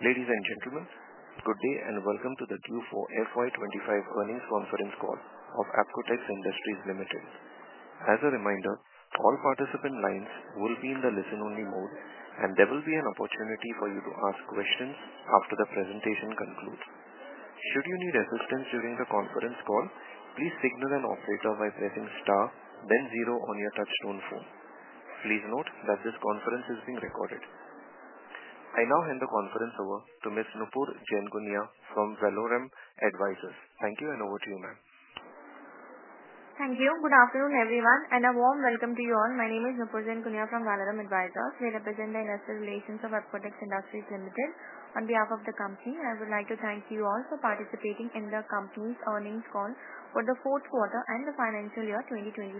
Ladies and gentlemen, good day and welcome to the Q4 FY25 earnings conference call of Apcotex Industries Limited. As a reminder, all participant lines will be in the listen-only mode, and there will be an opportunity for you to ask questions after the presentation concludes. Should you need assistance during the conference call, please signal an operator by pressing star, then zero on your touchstone phone. Please note that this conference is being recorded. I now hand the conference over to Ms. Nupur Jainkunia from Valorem Advisors. Thank you and over to you, ma'am. Thank you. Good afternoon, everyone, and a warm welcome to you all. My name is Nupur Jainkunia from Valorem Advisors. We represent the investor relations of Apcotex Industries Limited on behalf of the company. I would like to thank you all for participating in the company's earnings call for the fourth quarter and the financial year 2025.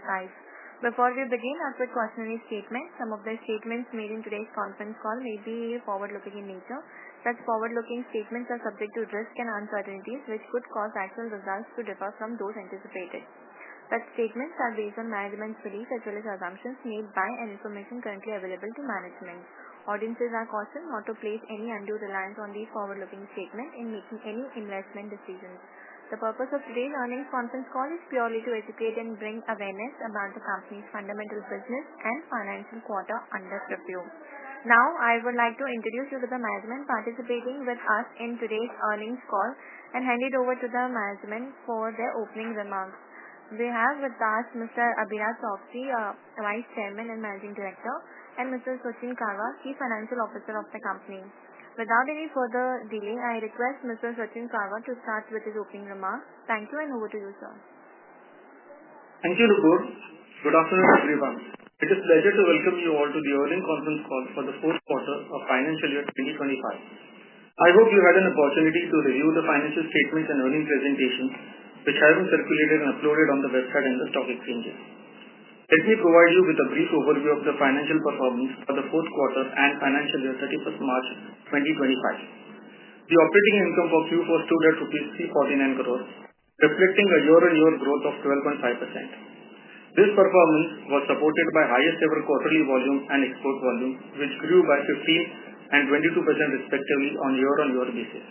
Before we begin, a quick cautionary statement: some of the statements made in today's conference call may be forward-looking in nature. Such forward-looking statements are subject to risk and uncertainties, which could cause actual results to differ from those anticipated. Such statements are based on management's beliefs as well as assumptions made by and information currently available to management. Audiences are cautioned not to place any undue reliance on these forward-looking statements in making any investment decisions. The purpose of today's earnings conference call is purely to educate and bring awareness about the company's fundamental business and financial quarter under review. Now, I would like to introduce you to the management participating with us in today's earnings call and hand it over to the management for their opening remarks. We have with us Mr. Abhiraj Choksey, Vice Chairman and Managing Director, and Mr. Sachin Karwa, Chief Financial Officer of the company. Without any further delay, I request Mr. Sachin Karwa to start with his opening remarks. Thank you and over to you, sir. Thank you, Nupur. Good afternoon, everyone. It is a pleasure to welcome you all to the earnings conference call for the fourth quarter of financial year 2025. I hope you had an opportunity to review the financial statements and earnings presentations, which have been circulated and uploaded on the website and the stock exchanges. Let me provide you with a brief overview of the financial performance for the fourth quarter and financial year 31 March 2025. The operating income for Q4 stood at INR 349 crore, reflecting a year-on-year growth of 12.5%. This performance was supported by highest-ever quarterly volume and export volume, which grew by 15% and 22% respectively on year-on-year basis.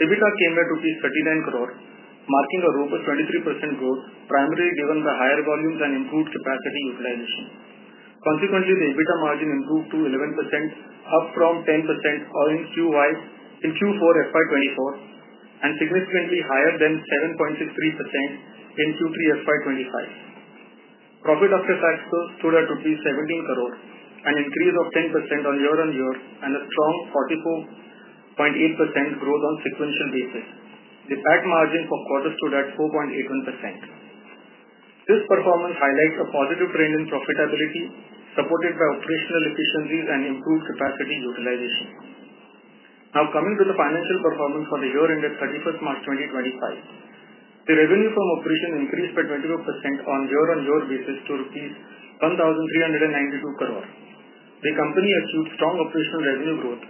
EBITDA came at 39 crore rupees, marking a robust 23% growth, primarily given the higher volumes and improved capacity utilization. Consequently, the EBITDA margin improved to 11%, up from 10% in Q4 FY 2024 and significantly higher than 7.63% in Q3 FY 2025. Profit after tax stood at 17 crore, an increase of 10% on year-on-year and a strong 44.8% growth on a sequential basis. The PAT margin for quarter stood at 4.81%. This performance highlights a positive trend in profitability, supported by operational efficiencies and improved capacity utilization. Now, coming to the financial performance for the year ended 31st March 2025, the revenue from operation increased by 24% on year-on-year basis to rupees 1,392 crore. The company achieved strong operational revenue growth.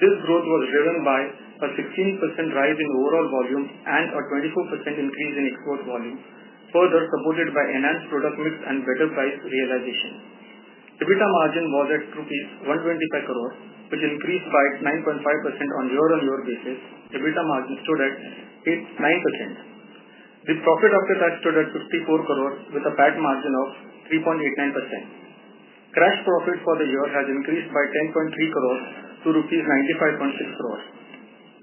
This growth was driven by a 16% rise in overall volume and a 24% increase in export volume, further supported by enhanced product mix and better price realization. EBITDA was at INR 125 crore, which increased by 9.5% on year-on-year basis. EBITDA margin stood at 9%. The profit after tax stood at 54 crore, with a PAT margin of 3.89%. Cash profit for the year has increased by 10.3 crore to INR 95.6 crore.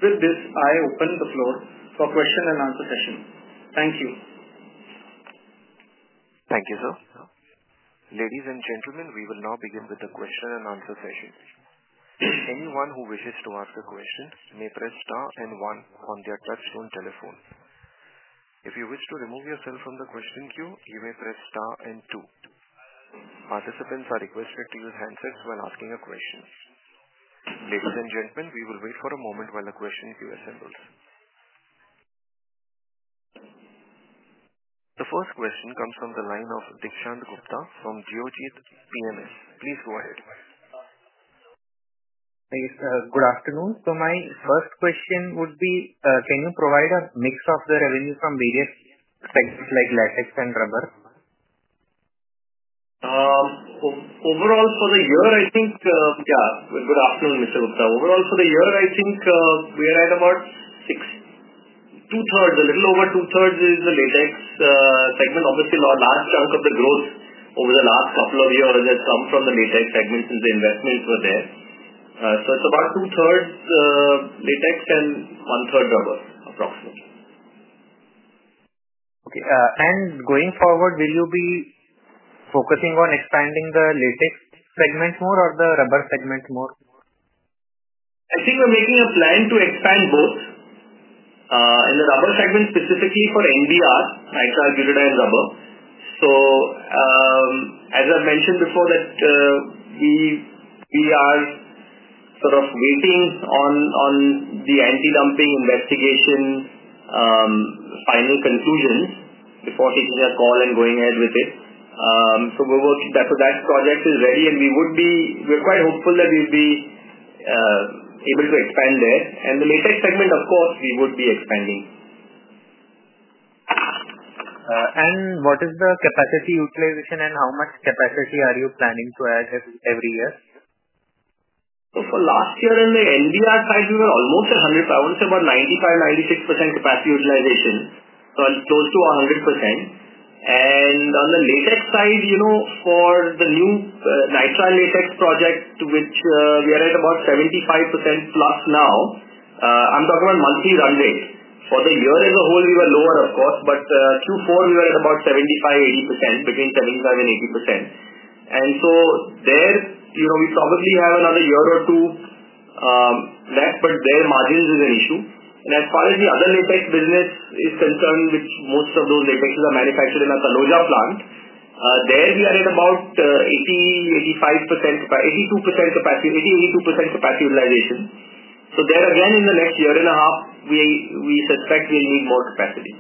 With this, I open the floor for question and answer session. Thank you. Thank you, sir. Ladies and gentlemen, we will now begin with the question and answer session. Anyone who wishes to ask a question may press star and one on their touchstone telephone. If you wish to remove yourself from the question queue, you may press star and two. Participants are requested to use handsets while asking a question. Ladies and gentlemen, we will wait for a moment while the question queue assembles. The first question comes from the line of Dikshant Gupta from Geojit PMS. Please go ahead. Thank you. Good afternoon. So my first question would be, can you provide a mix of the revenue from various sectors like latex and rubber? Overall for the year, I think, yeah, good afternoon, Mr. Gupta. Overall for the year, I think we are at about six, 2/3, a little over 2/3 is the latex segment. Obviously, our last chunk of the growth over the last couple of years has come from the latex segment since the investments were there. So it is about 2/3 latex and 1/3 rubber, approximately. Okay. Going forward, will you be focusing on expanding the latex segment more or the rubber segment more? I think we're making a plan to expand both. In the rubber segment, specifically for NBR, nitrile butadiene rubber. As I've mentioned before, we are sort of waiting on the anti-dumping investigation final conclusions before taking a call and going ahead with it. That project is ready, and we're quite hopeful that we'll be able to expand there. In the latex segment, of course, we would be expanding. What is the capacity utilization, and how much capacity are you planning to add every year? For last year on the NBR side, we were almost at 100%. I want to say about 95%-96% capacity utilization, so close to 100%. On the latex side, for the new Nitrile latex project, we are at about 75% plus now. I am talking about monthly run rate. For the year as a whole, we were lower, of course, but Q4 we were at about 75%-80%, between 75% and 80%. There, we probably have another year or two left, but there margins is an issue. As far as the other latex business is concerned, most of those latexes are manufactured in a Kaloja plant. There we are at about 80%-82% capacity utilization. There again, in the next year and a half, we suspect we will need more capacity.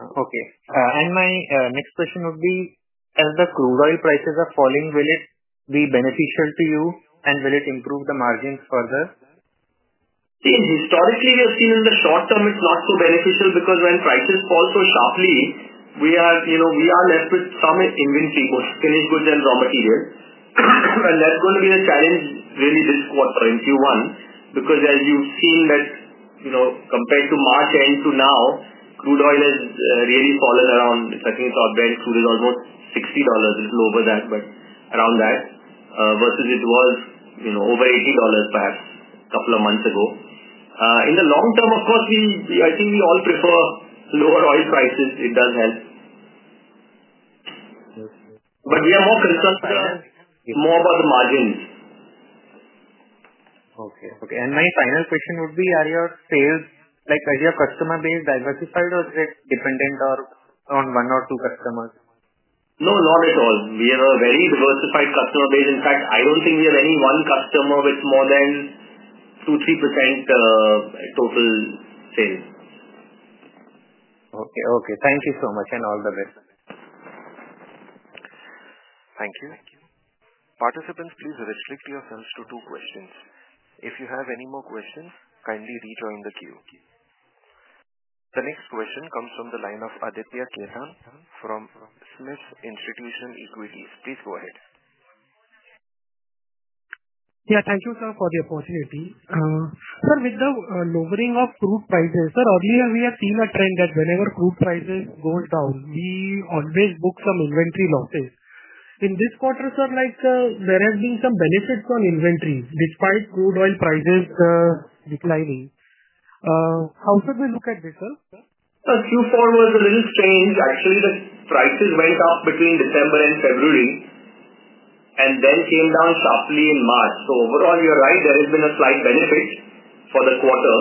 Okay. My next question would be, as the crude oil prices are falling, will it be beneficial to you, and will it improve the margins further? See, historically, we have seen in the short term, it's not so beneficial because when prices fall so sharply, we are left with some inventory, both finished goods and raw materials. That's going to be a challenge really this quarter in Q1 because, as you've seen, that compared to March end to now, crude oil has really fallen around. I think it's about Brent crude is almost $60, a little over that, but around that, versus it was over $80 perhaps a couple of months ago. In the long term, of course, I think we all prefer lower oil prices. It does help. We are more concerned more about the margins. Okay. Okay. My final question would be, are your sales, like as your customer base, diversified or is it dependent on one or two customers? No, not at all. We have a very diversified customer base. In fact, I do not think we have any one customer with more than 2%-3% total sales. Okay. Okay. Thank you so much and all the best. Thank you. Participants, please restrict yourselves to two questions. If you have any more questions, kindly rejoin the queue. The next question comes from the line of Aditya Khetan from SMIFS Institution Equities. Please go ahead. Yeah, thank you, sir, for the opportunity. Sir, with the lowering of crude prices, sir, earlier we had seen a trend that whenever crude prices go down, we always book some inventory losses. In this quarter, sir, there have been some benefits on inventory despite crude oil prices declining. How should we look at this, sir? Sir, Q4 was a little strange. Actually, the prices went up between December and February and then came down sharply in March. Overall, you are right. There has been a slight benefit for the quarter,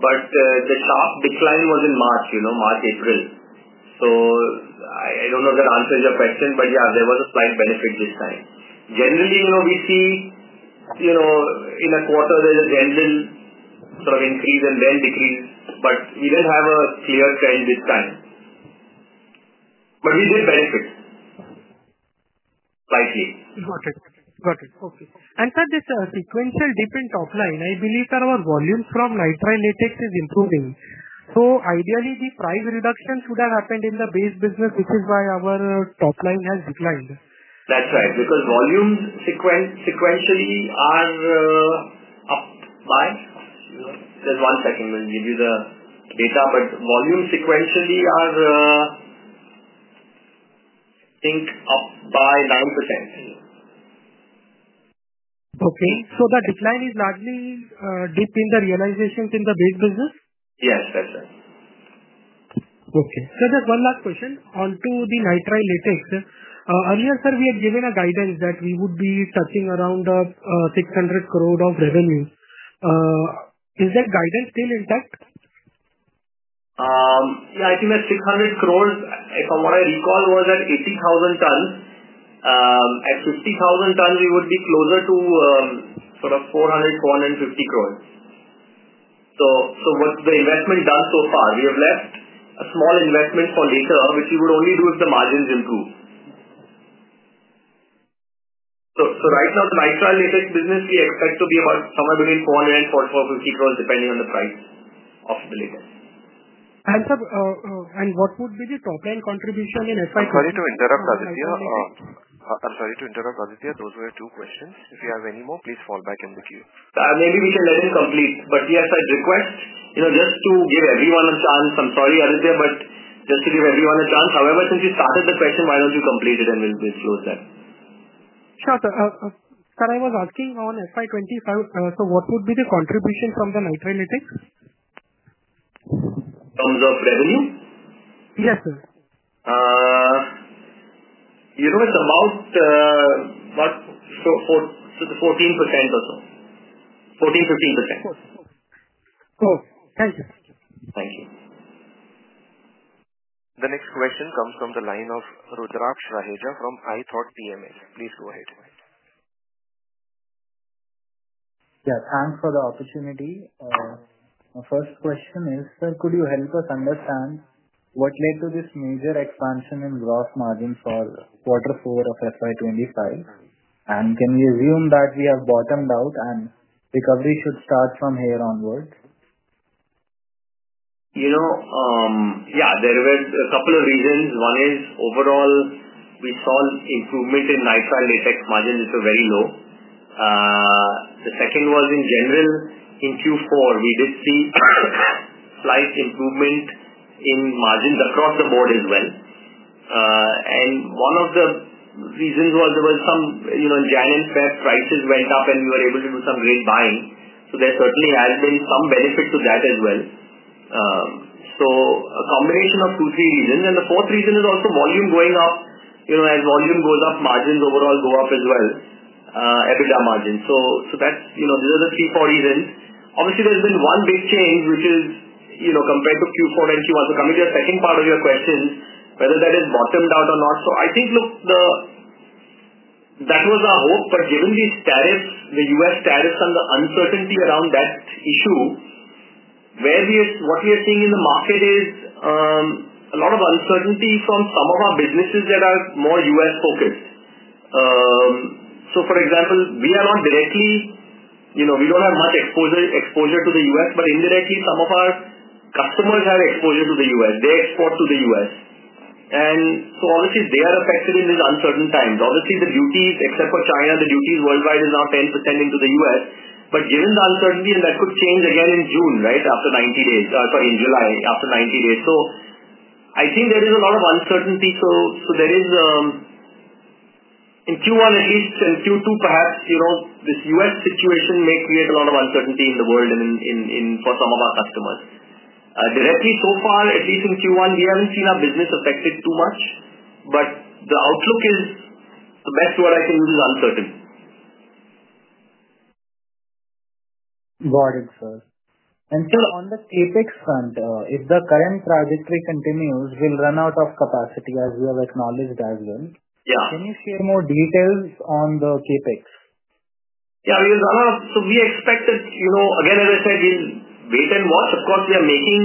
but the sharp decline was in March, April. I do not know if that answers your question, but yeah, there was a slight benefit this time. Generally, we see in a quarter, there is a general sort of increase and then decrease, but we did not have a clear trend this time. We did benefit slightly. Got it. Got it. Okay. Sir, this sequential dip in top line, I believe, sir, our volume from Nitrile latex is improving. Ideally, the price reduction should have happened in the base business, which is why our top line has declined. That's right. Because volumes sequentially are up by just one second. We'll give you the data, but volumes sequentially are, I think, up by 9%. Okay. So the decline is largely dip in the realizations in the base business? Yes, that's right. Okay. Sir, just one last question onto the Nitrile latex. Earlier, sir, we had given a guidance that we would be touching around 600 crore of revenue. Is that guidance still intact? Yeah, I think that 600 crore, if I recall, was at 80,000 tons. At 50,000 tons, we would be closer to sort of 400-450 crore. So what's the investment done so far? We have left a small investment for later, which we would only do if the margins improve. Right now, the Nitrile latex business, we expect to be about somewhere between 400-450 crore, depending on the price of the latex. Sir, what would be the top line contribution in SIP? I'm sorry to interrupt, Aditya. Those were two questions. If you have any more, please fall back in the queue. Maybe we can let him complete. Yes, I'd request just to give everyone a chance. I'm sorry, Aditya, but just to give everyone a chance. However, since you started the question, why don't you complete it and we'll close that? Sure, sir. Sir, I was asking on SI25, so what would be the contribution from the Nitrile latex? In terms of revenue? Yes, sir. It's about 14% or so. 14%-15%. Oh, thank you. Thank you. The next question comes from the line of Rudraksh Raheja from ithoughtpms. Please go ahead. Yeah. Thanks for the opportunity. My first question is, sir, could you help us understand what led to this major expansion in gross margins for quarter four of SI25? Can we assume that we have bottomed out and recovery should start from here onward? Yeah, there were a couple of reasons. One is overall, we saw improvement in Nitrile latex margins, which were very low. The second was in general, in Q4, we did see slight improvement in margins across the board as well. One of the reasons was there was some January and February prices went up, and we were able to do some great buying. There certainly has been some benefit to that as well. A combination of two, three reasons. The fourth reason is also volume going up. As volume goes up, margins overall go up as well, EBITDA margins. These are the three, four reasons. Obviously, there has been one big change, which is compared to Q4 and Q1. Coming to the second part of your question, whether that has bottomed out or not. I think, look, that was our hope. Given these tariffs, the U.S. tariffs and the uncertainty around that issue, what we are seeing in the market is a lot of uncertainty from some of our businesses that are more U.S.-focused. For example, we are not directly, we do not have much exposure to the U.S., but indirectly, some of our customers have exposure to the U.S. They export to the U.S., and obviously, they are affected in these uncertain times. Obviously, the duties, except for China, the duties worldwide is now 10% into the U.S. Given the uncertainty, and that could change again in June, right, after 90 days, sorry, in July, after 90 days. I think there is a lot of uncertainty. In Q1, at least, and Q2, perhaps this U.S. situation may create a lot of uncertainty in the world for some of our customers. Directly, so far, at least in Q1, we haven't seen our business affected too much, but the outlook is, the best word I can use is uncertain. Got it, sir. Sir, on the CapEx front, if the current trajectory continues, we will run out of capacity, as we have acknowledged as well. Can you share more details on the CapEx? Yeah, we'll run out of, so we expect that, again, as I said, we'll wait and watch. Of course, we are making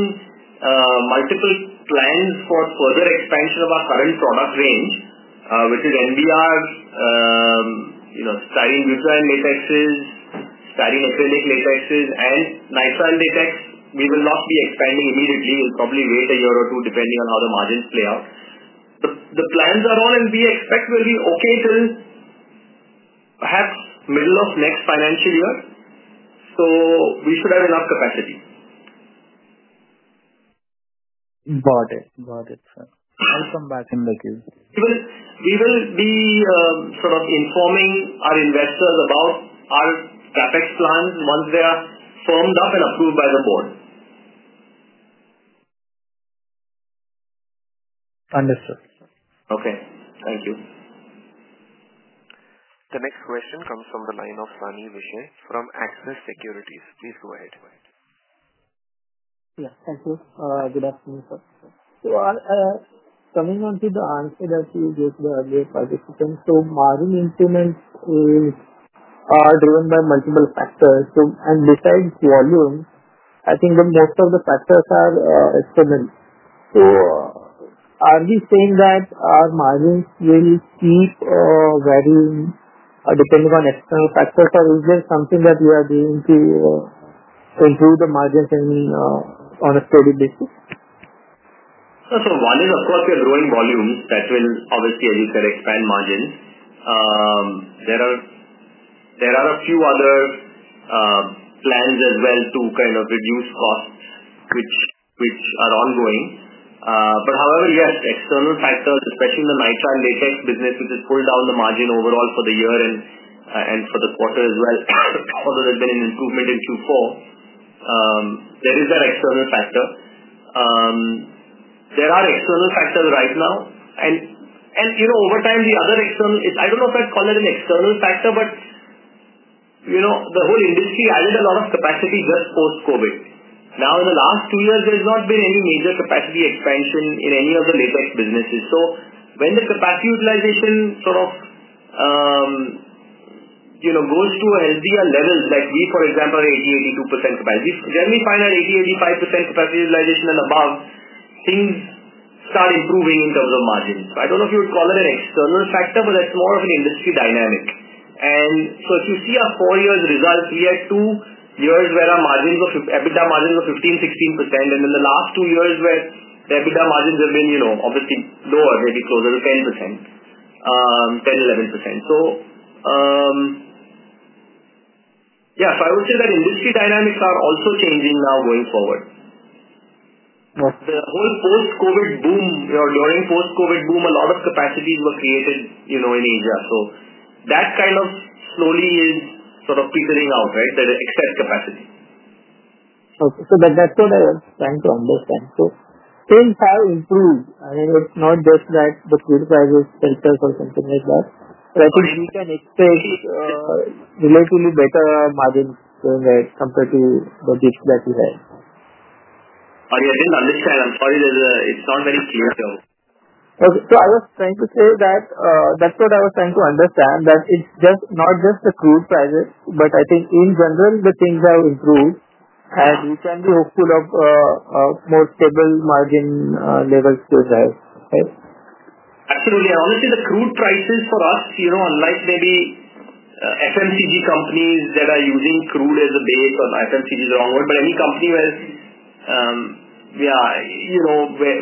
multiple plans for further expansion of our current product range, which is NBR, starting butadiene latexes, starting acrylic latexes, and Nitrile latex. We will not be expanding immediately. We'll probably wait a year or two, depending on how the margins play out. The plans are on, and we expect we'll be okay till perhaps middle of next financial year. So we should have enough capacity. Got it. Got it, sir. I'll come back in the queue. We will be sort of informing our investors about our CapEx plans once they are firmed up and approved by the board. Understood. Okay. Thank you. The next question comes from the line of Sani Vishe from Axis Securities. Please go ahead. Yeah. Thank you. Good afternoon, sir. Coming onto the answer that you gave earlier, participants, margin increments are driven by multiple factors. Besides volume, I think that most of the factors are similar. Are we saying that our margins will keep varying depending on external factors, or is there something that we are doing to improve the margins on a steady basis? Sir, so one is, of course, we are growing volumes. That will obviously, as you said, expand margins. There are a few other plans as well to kind of reduce costs, which are ongoing. However, yes, external factors, especially in the Nitrile latex business, which has pulled down the margin overall for the year and for the quarter as well, although there has been an improvement in Q4, there is that external factor. There are external factors right now. Over time, the other external, I do not know if I would call it an external factor, but the whole industry added a lot of capacity just post-COVID. Now, in the last two years, there has not been any major capacity expansion in any of the latex businesses. When the capacity utilization sort of goes to a healthier level, like we, for example, are at 80-82% capacity, we generally find at 80-85% capacity utilization and above, things start improving in terms of margins. I do not know if you would call it an external factor, but that is more of an industry dynamic. If you see our four years' result, we had two years where our EBITDA margins were 15-16%, and in the last two years where the EBITDA margins have been obviously lower, maybe closer to 10%, 10-11%. I would say that industry dynamics are also changing now going forward. The whole post-COVID boom or during post-COVID boom, a lot of capacities were created in Asia. That kind of slowly is sort of petering out, right, the excess capacity. Okay. So that's what I was trying to understand. So sales have improved. I mean, it's not just that the crude prices filter for something like that. So I think we can expect relatively better margins compared to the dip that we had. Sorry, I didn't understand. I'm sorry. It's not very clear though. Okay. So I was trying to say that that's what I was trying to understand, that it's not just the crude prices, but I think in general, the things have improved, and we can be hopeful of more stable margin levels to have, right? Absolutely. Obviously, the crude prices for us, unlike maybe FMCG companies that are using crude as a base or FMCG is the wrong word, but any company where, yeah, where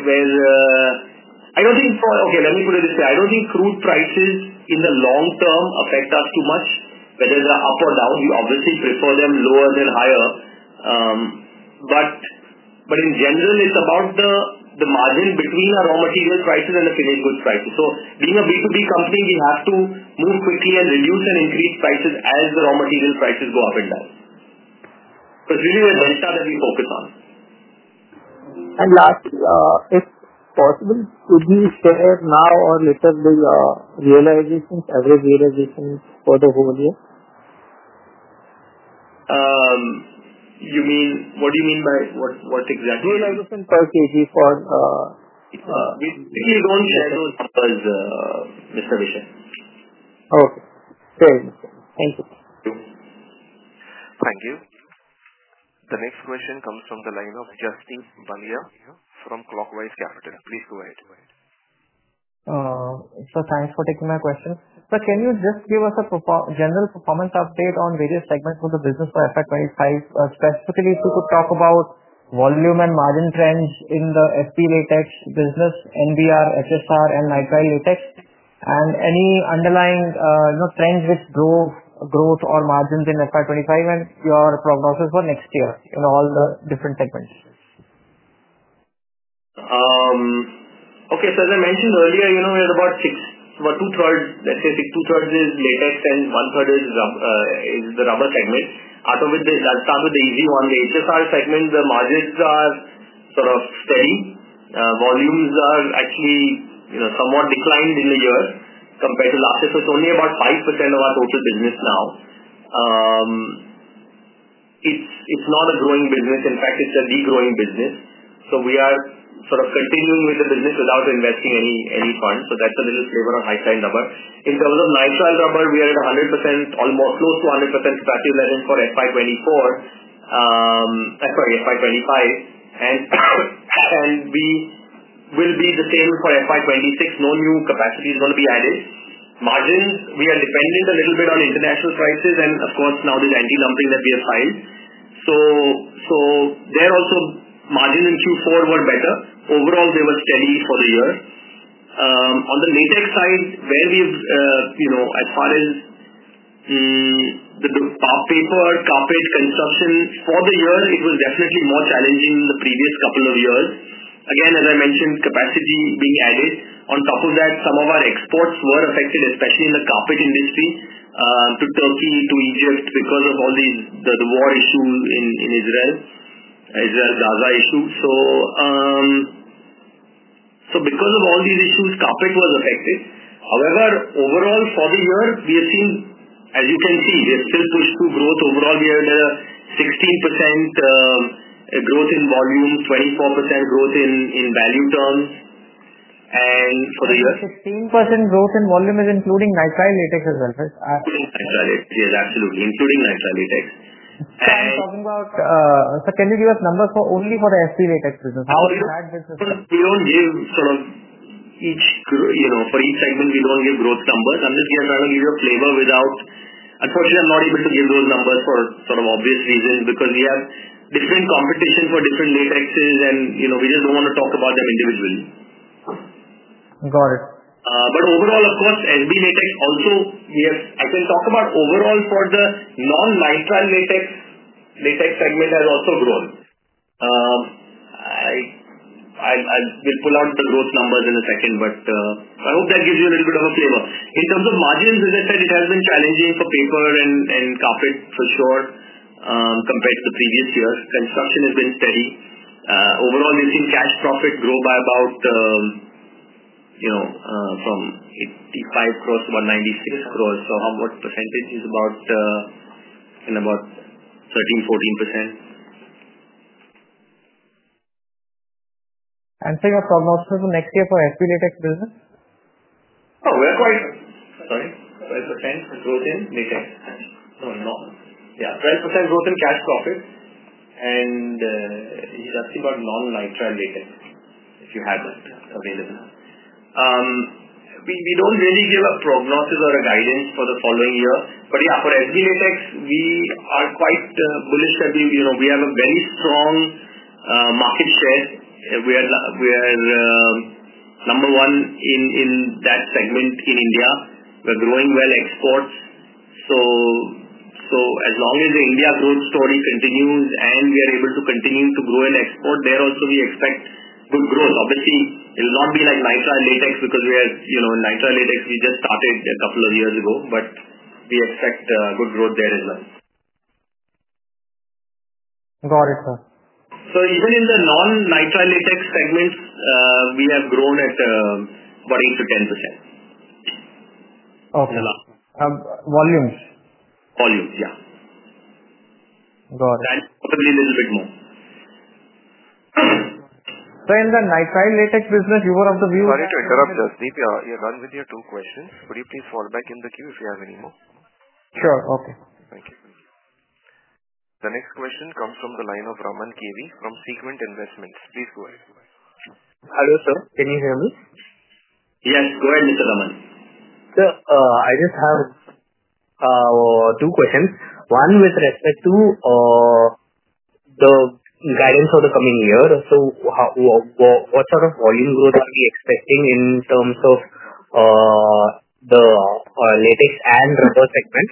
I do not think, okay, let me put it this way. I do not think crude prices in the long term affect us too much. Whether they are up or down, we obviously prefer them lower than higher. In general, it is about the margin between our raw material prices and the finished goods prices. Being a B2B company, we have to move quickly and reduce and increase prices as the raw material prices go up and down. It is really the delta that we focus on. Lastly, if possible, could you share now or later the realizations, average realizations for the whole year? You mean, what do you mean by what exactly? Realization per kg for. We typically don't share those numbers, Mr. Vishay. Okay. Very much so. Thank you. Thank you. The next question comes from the line of Justin Baliya from Clockwise Capital. Please go ahead. Sir, thanks for taking my question. Sir, can you just give us a general performance update on various segments of the business for FY 2025? Specifically, if you could talk about volume and margin trends in the FP latex business, NBR, HSR, and Nitrile latex, and any underlying trends which drove growth or margins in FY 2025 and your prognosis for next year in all the different segments. Okay. As I mentioned earlier, we had about 2/3, let's say 2/3 is latex and 1/3 is the rubber segment. That starts with the easy one. The HSR segment, the margins are sort of steady. Volumes are actually somewhat declined in the year compared to last year, so it's only about 5% of our total business now. It's not a growing business. In fact, it's a degrowing business. We are sort of continuing with the business without investing any funds. That's a little flavor of high styrene rubber. In terms of nitrile rubber, we are at 100%, almost close to 100% capacity utilization for FY 2024, sorry, FY 2025. We will be the same for FY 2026. No new capacity is going to be added. Margins, we are dependent a little bit on international prices, and of course, now there's anti-dumping that we have filed. There also, margins in Q4 were better. Overall, they were steady for the year. On the latex side, where we have, as far as the paper, carpet, construction, for the year, it was definitely more challenging than the previous couple of years. Again, as I mentioned, capacity being added. On top of that, some of our exports were affected, especially in the carpet industry, to Turkey, to Egypt, because of all the war issues in Israel, Israel-Gaza issue. Because of all these issues, carpet was affected. However, overall, for the year, we have seen, as you can see, we have still pushed through growth. Overall, we had a 16% growth in volume, 24% growth in value terms, and for the year. Sixteen percent growth in volume is including Nitrile latex as well, right? Including Nitrile latex, yes, absolutely. Including Nitrile latex. Sir, I am talking about, sir, can you give us numbers only for the FP latex business? How are you? Flag business. We do not give, sort of, each for each segment, we do not give growth numbers. I am just here trying to give you a flavor without, unfortunately, I am not able to give those numbers for sort of obvious reasons because we have different competition for different latexes, and we just do not want to talk about them individually. Got it. Overall, of course, SB latex also, we have, I can talk about overall for the non-Nitrile latex segment, has also grown. I will pull out the growth numbers in a second, but I hope that gives you a little bit of a flavor. In terms of margins, as I said, it has been challenging for paper and carpet for sure compared to the previous year. Construction has been steady. Overall, we have seen cash profit grow by about 85 crores to about 196 crores So our percentage is about 13%-14%. Sir, your prognosis for next year for FP latex business? Oh, we're quite sorry. 12% growth in latex. No, no. Yeah, 12% growth in cash profit. And you're asking about non-Nitrile latex, if you have that available. We don't really give a prognosis or a guidance for the following year. But yeah, for SB latex, we are quite bullish that we have a very strong market share. We are number one in that segment in India. We're growing well exports. As long as the India growth story continues and we are able to continue to grow and export, there also we expect good growth. Obviously, it will not be like Nitrile latex because we are Nitrile latex, we just started a couple of years ago, but we expect good growth there as well. Got it, sir. Even in the non-Nitrile latex segments, we have grown at about 8-10%. Okay. Volumes. Volumes, yeah. Got it. Probably a little bit more. Sir, in the Nitrile latex business, you were on the view of. Sorry to interrupt, Justin. You're done with your two questions. Could you please fall back in the queue if you have any more? Sure. Okay. Thank you. The next question comes from the line of Raman Kerti from Sequent Investments. Please go ahead. Hello, sir. Can you hear me? Yes. Go ahead, Mr. Raman. Sir, I just have two questions. One with respect to the guidance for the coming year. What sort of volume growth are we expecting in terms of the latex and rubber segment?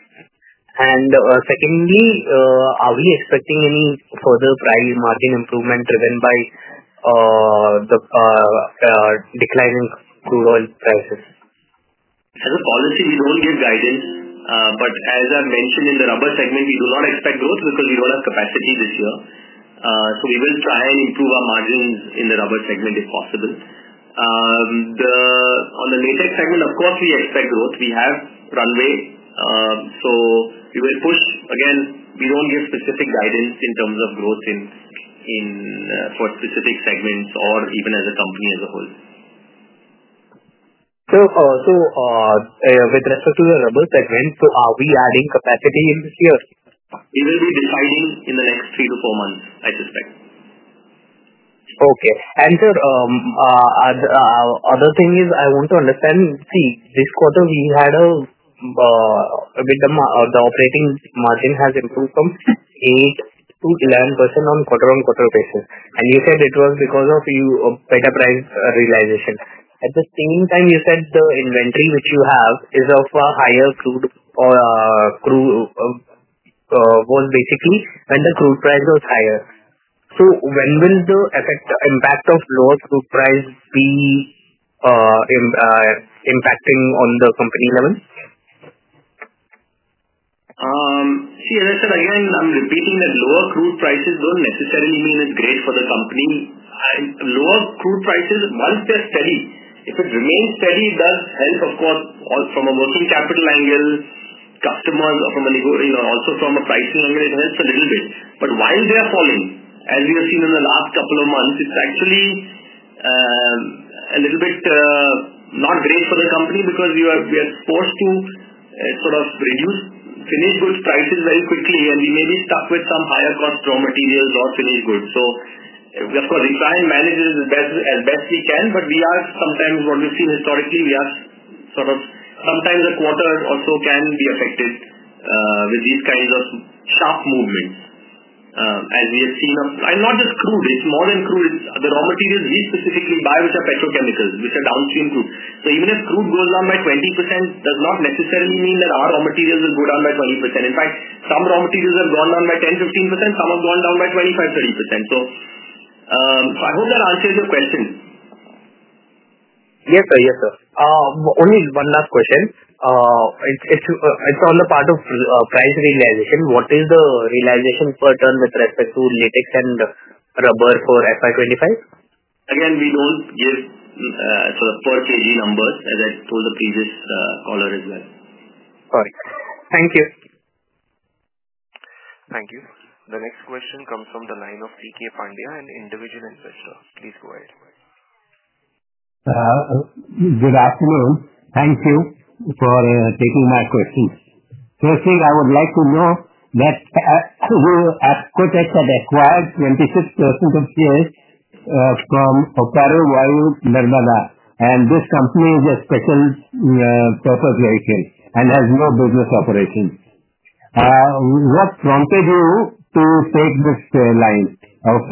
Secondly, are we expecting any further price margin improvement driven by the declining crude oil prices? As a policy, we don't give guidance. As I mentioned, in the rubber segment, we do not expect growth because we don't have capacity this year. We will try and improve our margins in the rubber segment if possible. On the latex segment, of course, we expect growth. We have runway. We will push. Again, we don't give specific guidance in terms of growth for specific segments or even as a company as a whole. With respect to the rubber segment, are we adding capacity in this year? We will be deciding in the next three to four months, I suspect. Okay. Sir, the other thing is I want to understand. See, this quarter, we had a bit of the operating margin has improved from 8% to 11% on a quarter-on-quarter basis. You said it was because of better price realization. At the same time, you said the inventory which you have is of a higher crude, was basically when the crude price was higher. When will the impact of lower crude price be impacting on the company level? See, as I said, again, I'm repeating that lower crude prices do not necessarily mean it's great for the company. Lower crude prices, once they're steady, if it remains steady, it does help, of course, from a working capital angle, customers, or also from a pricing angle, it helps a little bit. While they are falling, as we have seen in the last couple of months, it's actually a little bit not great for the company because we are forced to sort of reduce finished goods prices very quickly, and we may be stuck with some higher-cost raw materials or finished goods. Of course, we try and manage it as best we can, but sometimes what we've seen historically, we are sort of sometimes a quarter or so can be affected with these kinds of sharp movements as we have seen. is not just crude, it is more than crude. The raw materials we specifically buy, which are petrochemicals, which are downstream crude. Even if crude goes down by 20%, it does not necessarily mean that our raw materials will go down by 20%. In fact, some raw materials have gone down by 10-15%. Some have gone down by 25-30%. I hope that answers your question. Yes, sir. Only one last question. It's on the part of price realization. What is the realization per ton with respect to latex and rubber for FY 2025? Again, we don't give sort of per kg numbers, as I told the previous caller as well. All right. Thank you. Thank you. The next question comes from the line of T. K. Pandya, an individual investor. Please go ahead. Good afternoon. Thank you for taking my questions. Firstly, I would like to know that you have quoted that acquired 26% of shares from Opero Voyo Nirmala, and this company is a special purpose vehicle and has no business operations. What prompted you to take this line of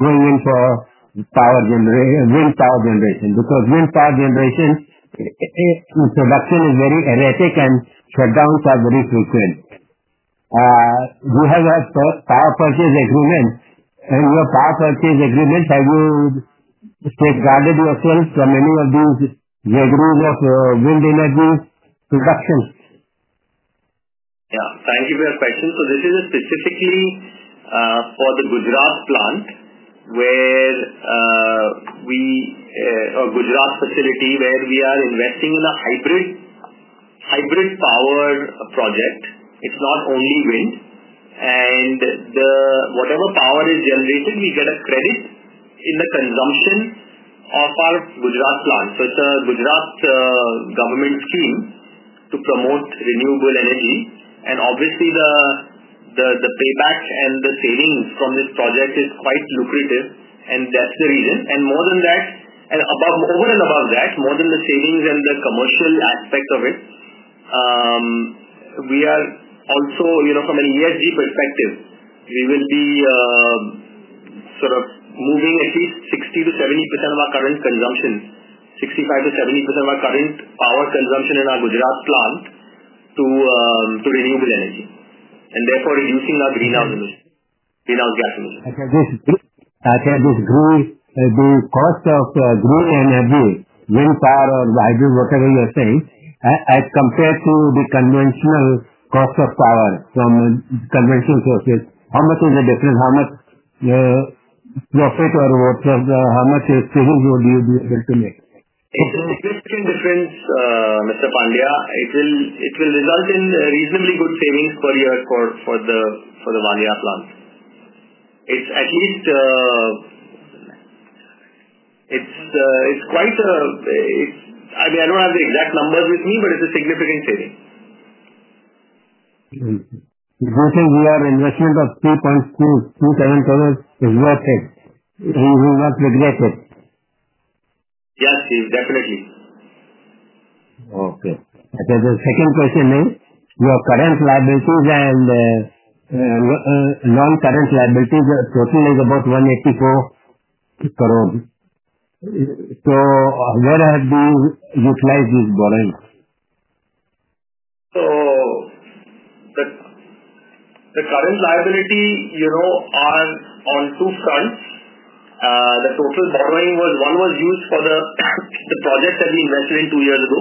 going in for wind power generation? Because wind power generation production is very erratic and shutdowns are very frequent. You have a power purchase agreement, and your power purchase agreement, have you safeguarded yourself from any of these regimes of wind energy production? Yeah. Thank you for your question. This is specifically for the Gujarat plant where we, or Gujarat facility, where we are investing in a hybrid power project. It is not only wind. Whatever power is generated, we get a credit in the consumption of our Gujarat plant. It is a Gujarat government scheme to promote renewable energy. Obviously, the payback and the savings from this project are quite lucrative, and that is the reason. More than that, and over and above that, more than the savings and the commercial aspect of it, we are also, from an ESG perspective, sort of moving at least 60%-70% of our current consumption, 65%-70% of our current power consumption in our Gujarat plant to renewable energy. Therefore, reducing our greenhouse gas emissions. I can just agree the cost of green energy, wind power or hybrid, whatever you are saying, as compared to the conventional cost of power from conventional sources, how much is the difference? How much profit or how much savings would you be able to make? It's a significant difference, Mr. Pandya. It will result in reasonably good savings for the Valia Plant. It's at least quite a—I mean, I don't have the exact numbers with me, but it's a significant saving. Do you think your investment of 3.27 tons is worth it? You will not regret it? Yes, sir. Definitely. Okay. The second question is your current liabilities and non-current liabilities total is about INR 184 crore. So where have you utilized this borrowing? The current liability is on two fronts. The total borrowing was, one was used for the project that we invested in two years ago,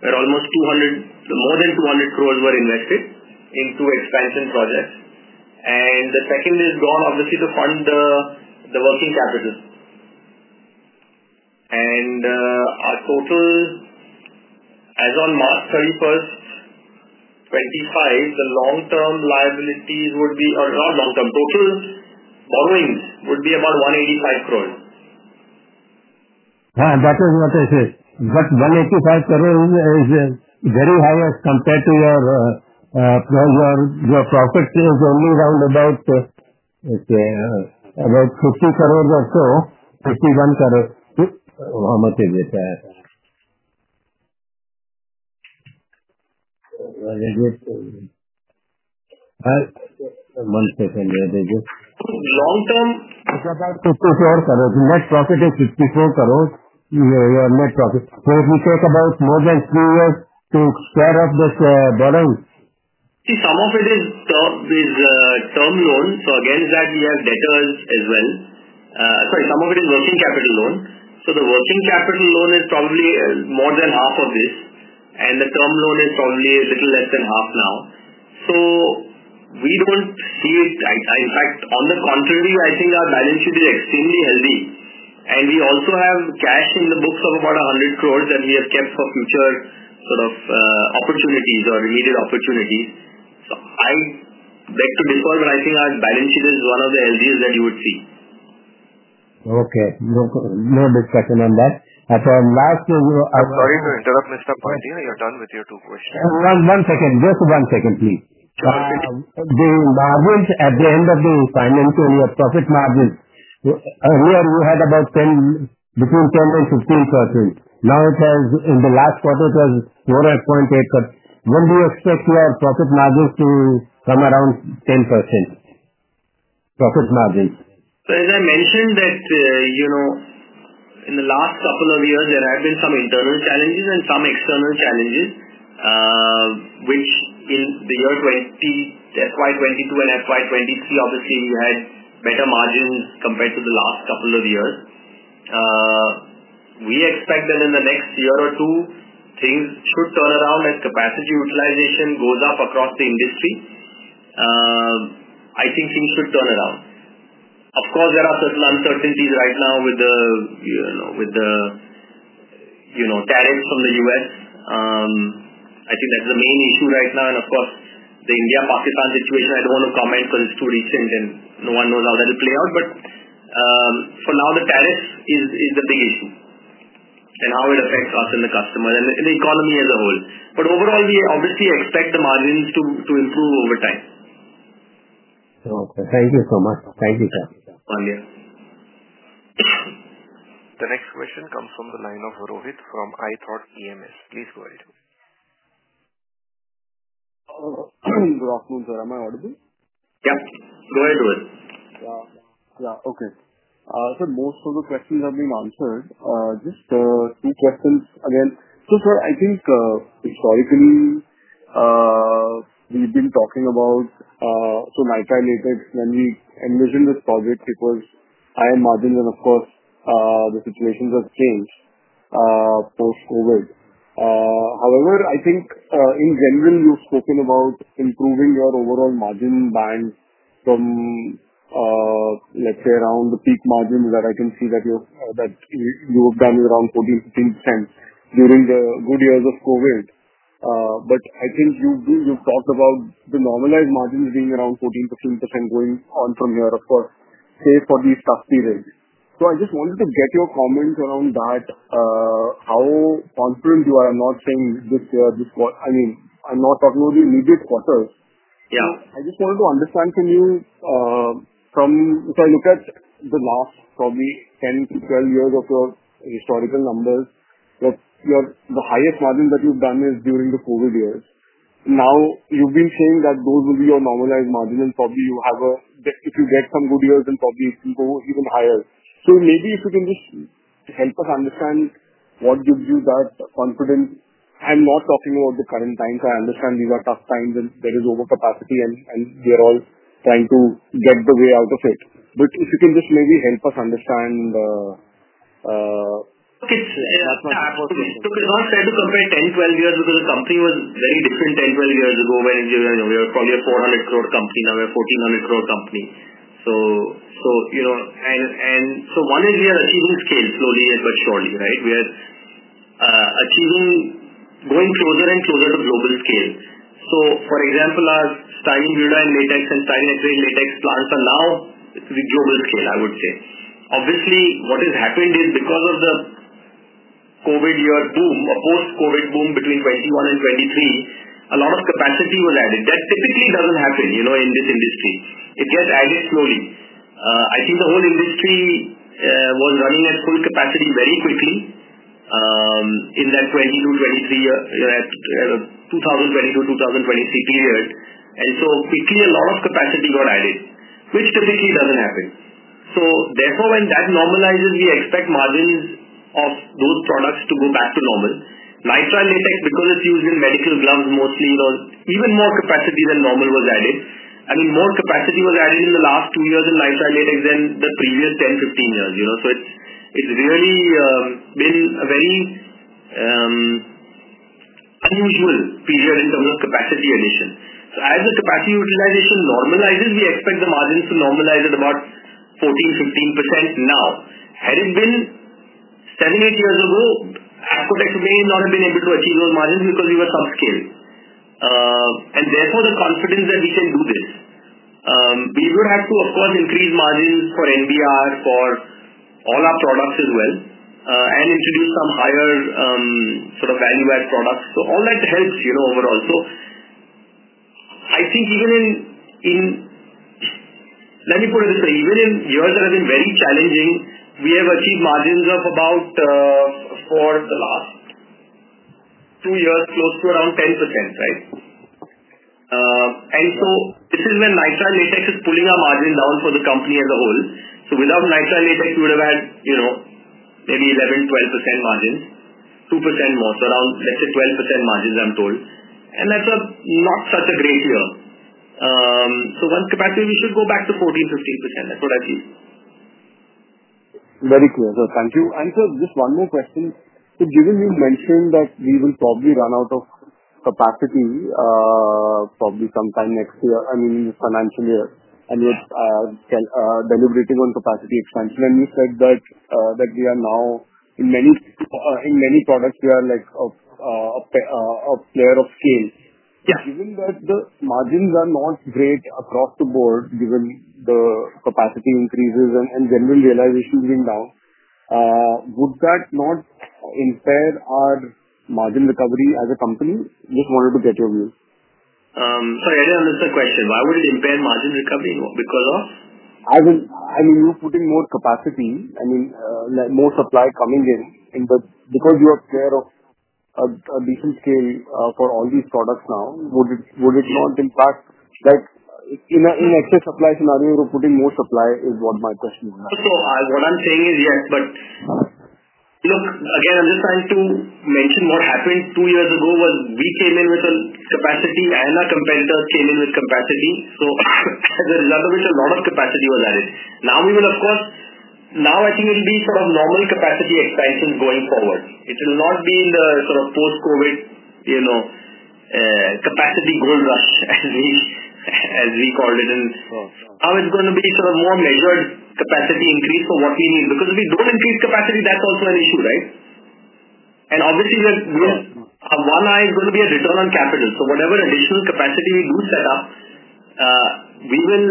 where almost more than 200 crore were invested into expansion projects. The second is gone, obviously, to fund the working capital. Our total, as of March 31st 2025, the long-term liabilities would be—or not long-term, total borrowings would be about 185 crore. That is what I said. Just 185 crore is very high as compared to your profit is only around about 50 crore or so. 51 crore. How much is it? One second. Long-term, 54 crore. Net profit is 54 crore. Your net profit. If we take about more than three years to square off this borrowing? See, some of it is term loans. Against that, we have debtors as well. Sorry, some of it is working capital loan. The working capital loan is probably more than half of this, and the term loan is probably a little less than half now. We do not see it. In fact, on the contrary, I think our balance sheet is extremely healthy. We also have cash in the books of about 100 crore that we have kept for future sort of opportunities or immediate opportunities. I beg to differ, but I think our balance sheet is one of the healthiest that you would see. Okay. No discussion on that. Lastly, you— Sorry to interrupt, Mr. Pandya. You're done with your two questions. One second. Just one second, please. The margins at the end of the financial year, profit margins, earlier you had about between 10% and 15%. Now it has, in the last quarter, it was 4.8%. When do you expect your profit margins to come around 10% profit margins? As I mentioned that in the last couple of years, there have been some internal challenges and some external challenges, which in the year FY2022 and FY2023, obviously, we had better margins compared to the last couple of years. We expect that in the next year or two, things should turn around as capacity utilization goes up across the industry. I think things should turn around. Of course, there are certain uncertainties right now with the tariffs from the U.S. I think that's the main issue right now. Of course, the India-Pakistan situation, I don't want to comment because it's too recent and no one knows how that will play out. For now, the tariffs is the big issue and how it affects us and the customers and the economy as a whole. Overall, we obviously expect the margins to improve over time. Okay. Thank you so much. Thank you, sir. Oh yeah. The next question comes from the line of Rohit from IThought PMS. Please go ahead. Good afternoon, sir. Am I audible? Yeah. Go ahead, Rohit. Yeah. Yeah. Okay. So most of the questions have been answered. Just two questions again. So sir, I think historically, we've been talking about, so Nitrile latex, when we envisioned this project, it was higher margins, and of course, the situations have changed post-COVID. However, I think in general, you've spoken about improving your overall margin band from, let's say, around the peak margin that I can see that you have done around 14%-15% during the good years of COVID. But I think you've talked about the normalized margins being around 14%-15% going on from here, of course, say for these tough periods. So I just wanted to get your comments around that, how confident you are. I'm not saying this year, this quarter. I mean, I'm not talking about the immediate quarters. I just wanted to understand from you, if I look at the last probably 10 to 12 years of your historical numbers, the highest margin that you've done is during the COVID years. Now, you've been saying that those will be your normalized margins, and probably you have a—if you get some good years, then probably it will go even higher. Maybe if you can just help us understand what gives you that confidence. I'm not talking about the current times. I understand these are tough times and there is overcapacity and we are all trying to get the way out of it. If you can just maybe help us understand that. Look, it's not fair to compare 10-12 years because the company was very different 10-12 years ago when we were probably a 400 crore company. Now we're a 1,400 crore company. One is we are achieving scale slowly but surely, right? We are going closer and closer to global scale. For example, our ApcoBuild and latex and Apco Acrylic latex plants are now global scale, I would say. Obviously, what has happened is because of the COVID year boom, a post-COVID boom between 2021 and 2023, a lot of capacity was added. That typically does not happen in this industry. It gets added slowly. I think the whole industry was running at full capacity very quickly in that 2020-2023 period. Quickly, a lot of capacity got added, which typically does not happen. Therefore, when that normalizes, we expect margins of those products to go back to normal. Nitrile latex, because it's used in medical gloves mostly, even more capacity than normal was added. I mean, more capacity was added in the last two years in Nitrile latex than the previous 10-15 years. It's really been a very unusual period in terms of capacity addition. As the capacity utilization normalizes, we expect the margins to normalize at about 14%-15% now. Had it been 7-8 years ago, IThought Exchange may not have been able to achieve those margins because we were subscale. Therefore, the confidence that we can do this. We would have to, of course, increase margins for NBR, for all our products as well, and introduce some higher sort of value-add products. All that helps overall. I think even in—let me put it this way. Even in years that have been very challenging, we have achieved margins of about, for the last two years, close to around 10%, right? This is when Nitrile latex is pulling our margin down for the company as a whole. Without Nitrile latex, we would have had maybe 11%-12% margins, 2% more. Around, let's say, 12% margins, I am told. That is not such a great year. Once capacity, we should go back to 14%-15%. That is what I see. Very clear. Thank you. Sir, just one more question. Given you mentioned that we will probably run out of capacity probably sometime next year, I mean, financial year, and you are deliberating on capacity expansion, and you said that we are now in many products, we are a player of scale. Given that the margins are not great across the board, given the capacity increases and general realization being down, would that not impair our margin recovery as a company? Just wanted to get your view. Sorry, I didn't understand the question. Why would it impair margin recovery? Because of? I mean, you're putting more capacity, I mean, more supply coming in. But because you are a player of a decent scale for all these products now, would it not impact? In excess supply scenario, you're putting more supply is what my question is. What I'm saying is, yes. Look, again, I'm just trying to mention what happened two years ago was we came in with a capacity, and our competitors came in with capacity. As a result of which, a lot of capacity was added. Now we will, of course, now I think it'll be sort of normal capacity expansion going forward. It will not be in the sort of post-COVID capacity gold rush, as we called it. Now it's going to be sort of more measured capacity increase for what we need. Because if we don't increase capacity, that's also an issue, right? Obviously, one eye is going to be a return on capital. Whatever additional capacity we do set up, we will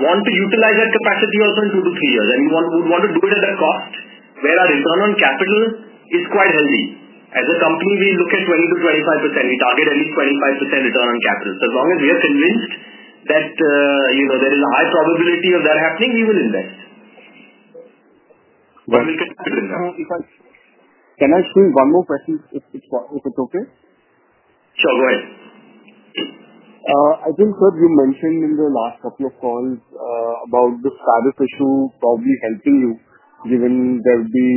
want to utilize that capacity also in two to three years. We would want to do it at a cost where our return on capital is quite healthy. As a company, we look at 20%-25%. We target at least 25% return on capital. As long as we are convinced that there is a high probability of that happening, we will invest. We will consider that. Can I ask you one more question if it's okay? Sure. Go ahead. I think, sir, you mentioned in the last couple of calls about the tariff issue probably helping you given there will be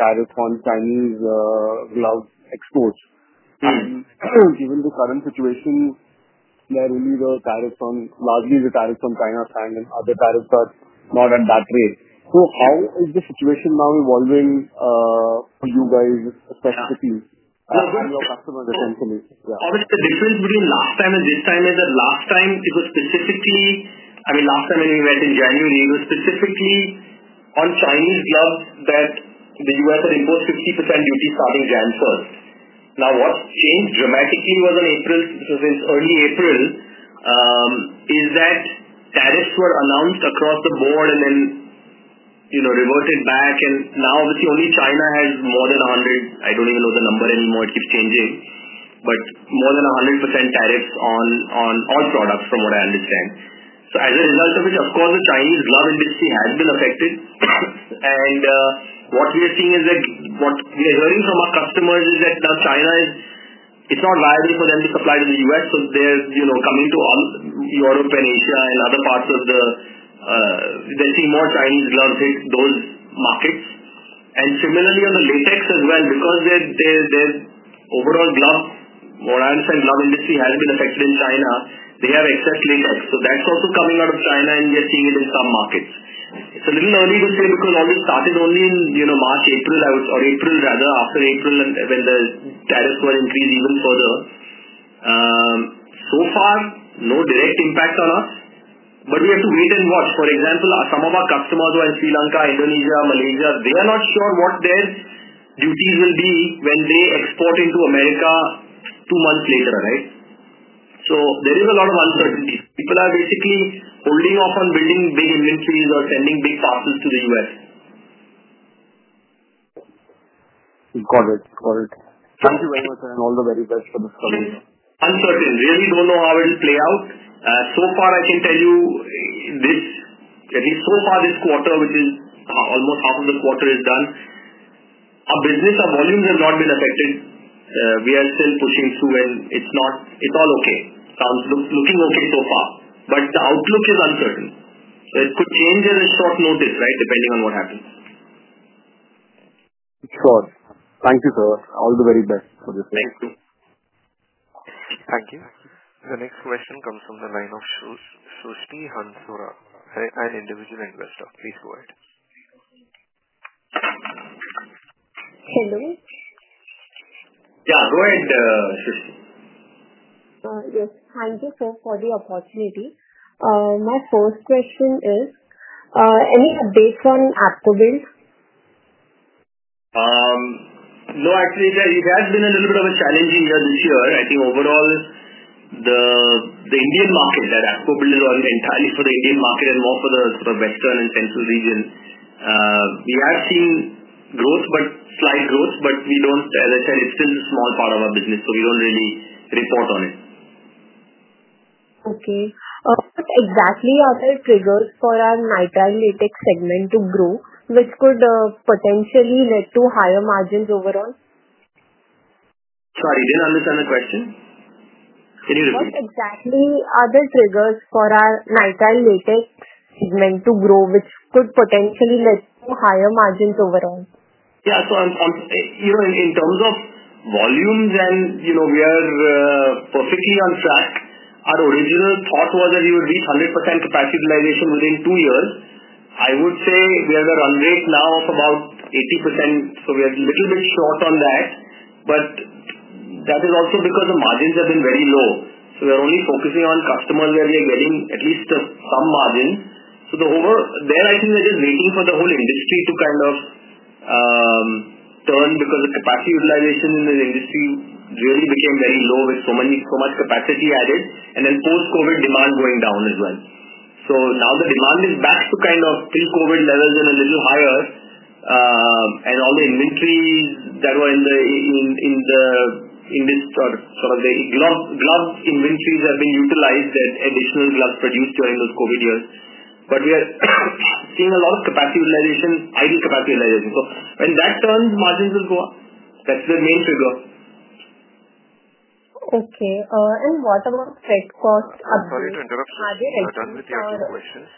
tariffs on Chinese gloves exports. Given the current situation, there are only the tariffs on, largely the tariffs on China, and other tariffs are not at that rate. How is the situation now evolving for you guys, especially your customers' attention? Obviously, the difference between last time and this time is that last time, it was specifically—I mean, last time when we met in January, it was specifically on Chinese gloves that the U.S. had imposed 50% duty starting January 1st. Now, what changed dramatically was in early April is that tariffs were announced across the board and then reverted back. Now, obviously, only China has more than 100—I do not even know the number anymore. It keeps changing. More than 100% tariffs on all products, from what I understand. As a result of it, of course, the Chinese glove industry has been affected. What we are seeing is that what we are hearing from our customers is that now China is—it is not viable for them to supply to the U.S. They're coming to all Europe and Asia and other parts of the—they're seeing more Chinese gloves hit those markets. Similarly, on the latex as well, because their overall glove—what I understand, glove industry has been affected in China, they have excess latex. That's also coming out of China, and we are seeing it in some markets. It's a little early to say because all this started only in March, April, or April, rather, after April when the tariffs were increased even further. So far, no direct impact on us. We have to wait and watch. For example, some of our customers who are in Sri Lanka, Indonesia, Malaysia, they are not sure what their duties will be when they export into America two months later, right? There is a lot of uncertainty. People are basically holding off on building big inventories or sending big parcels to the U.S. Got it. Got it. Thank you very much, sir. All the very best for the study. Uncertain. Really don't know how it'll play out. So far, I can tell you this—at least so far, this quarter, which is almost half of the quarter is done, our business, our volumes have not been affected. We are still pushing through, and it's all okay. Sounds looking okay so far. The outlook is uncertain. It could change at a short notice, right, depending on what happens. Sure. Thank you, sir. All the very best for this week. Thank you. Thank you. The next question comes from the line of Sushni Hansura, an individual investor. Please go ahead. Hello. Yeah. Go ahead, Sushni. Yes. Thank you, sir, for the opportunity. My first question is, any updates on ApcoBuild? No, actually, it has been a little bit of a challenging year this year. I think overall, the Indian market that ApcoBuild is on entirely for the Indian market and more for the sort of Western and Central region. We have seen growth, slight growth, but we do not—as I said, it is still a small part of our business, so we do not really report on it. Okay. What exactly are the triggers for our Nitrile latex segment to grow, which could potentially lead to higher margins overall? Sorry, I didn't understand the question. Can you repeat? What exactly are the triggers for our Nitrile latex segment to grow, which could potentially lead to higher margins overall? Yeah. So in terms of volumes, and we are perfectly on track. Our original thought was that we would reach 100% capacity utilization within two years. I would say we have a run rate now of about 80%. So we are a little bit short on that. That is also because the margins have been very low. We are only focusing on customers where we are getting at least some margin. There, I think we're just waiting for the whole industry to kind of turn because the capacity utilization in the industry really became very low with so much capacity added and then post-COVID demand going down as well. Now the demand is back to kind of pre-COVID levels and a little higher. All the inventories that were in this, sort of the glove inventories, have been utilized, that additional gloves produced during those COVID years. We are seeing a lot of capacity utilization, idle capacity utilization. When that turns, margins will go up. That's the main trigger. Okay. What about fed cost update? I'm sorry to interrupt you. I'm done with the actual questions.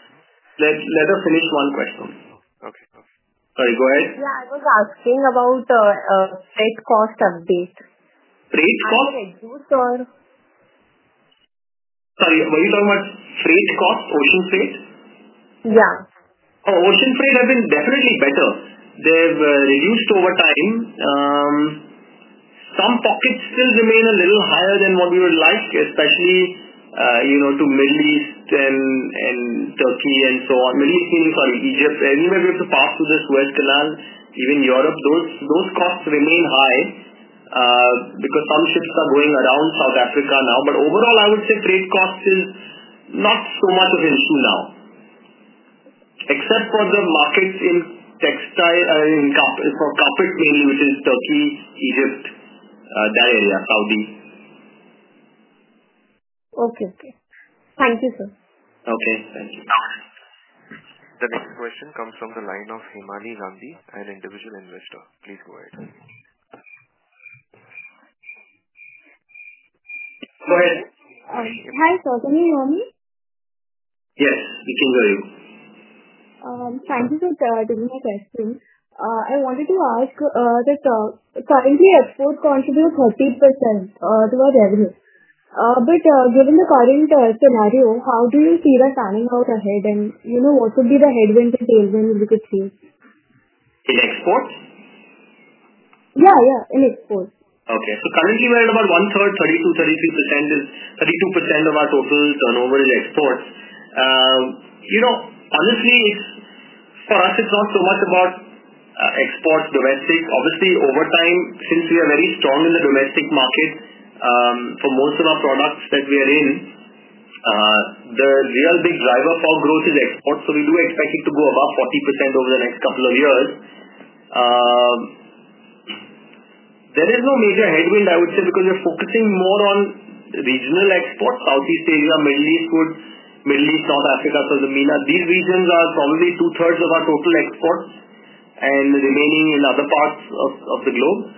Let us finish one question. Okay. Sorry, go ahead. Yeah. I was asking about freight cost update. Freight cost? Or reduced or? Sorry. Were you talking about freight cost, ocean freight? Yeah. Ocean freight has been definitely better. They have reduced over time. Some pockets still remain a little higher than what we would like, especially to the Middle East and Turkey and so on. Middle East meaning, sorry, Egypt. Anywhere we have to pass through this Suez Canal, even Europe, those costs remain high because some ships are going around South Africa now. Overall, I would say freight cost is not so much of an issue now, except for the markets in carpet, mainly, which is Turkey, Egypt, that area, Saudi. Okay. Okay. Thank you, sir. Okay. Thank you. The next question comes from the line of Himali Gandhi, an individual investor. Please go ahead. Go ahead. Hi, sir. Can you hear me? Yes. We can hear you. Thank you for taking my question. I wanted to ask that currently, exports contribute 30% to our revenue. Given the current scenario, how do you see that turning out ahead? What would be the headwind and tailwind we could see? In exports? Yeah. Yeah. In exports. Okay. So currently, we're at about 1/3, 32%-33%. 32% of our total turnover is exports. Honestly, for us, it's not so much about exports, domestic. Obviously, over time, since we are very strong in the domestic market for most of our products that we are in, the real big driver for growth is exports. We do expect it to go above 40% over the next couple of years. There is no major headwind, I would say, because we're focusing more on regional exports. Southeast Asia, Middle East, Middle East, North Africa, South America, these regions are probably 2/3 of our total exports and remaining in other parts of the globe.